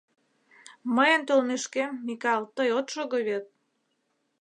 Мыйын толмешкем, Микал, тый от шого вет?